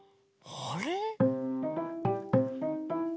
あれ？